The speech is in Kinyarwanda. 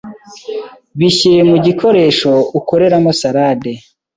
Bishyire mu gikoresho ukoreramo salade